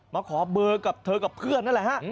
มาขอเบอร์กับเธอกับเพื่อนนั่นแหละฮะ